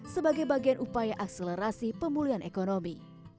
sebagai bagian upaya akselerasi pemulihan ekonomi